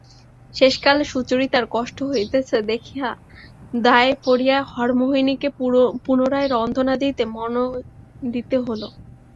শেষকালে সুচরিতার কষ্ট হইতেছে দেখিয়া দায়ে পড়িয়া হরিমোহিনীকে পুনরায় রন্ধনাদিতে মন দিতে হইল।